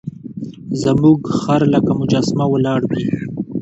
زموږ خر لکه مجسمه ولاړ وي.